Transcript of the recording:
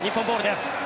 日本ボールです。